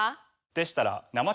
でしたら。